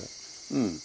うん。